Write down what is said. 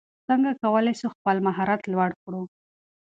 څنګه کولای سو خپل مهارت لوړ کړو؟